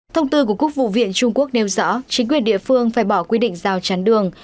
thông tư của quốc vụ viện trung quốc nêu rõ chính quyền địa phương phải bỏ quy định rào chắn đường